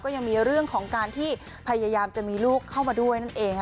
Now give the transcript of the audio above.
ยังมีเรื่องของการที่พยายามจะมีลูกเข้ามาด้วยนั่นเอง